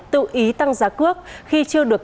tự ý tăng giá cước khi chưa được